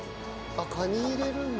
カニ入れるんだ。